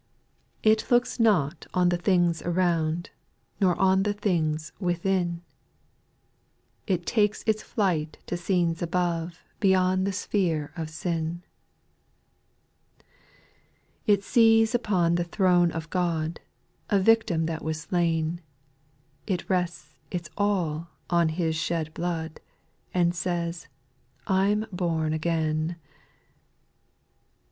It looks not on the things around, Nor on the things within^ It takes its flight to scenes above, Beyond the sphere of sin. 3. It sees upon the throne of God, A victim that was slain ; It rests its all on His shed blood, And says, " I 'm born again." 4.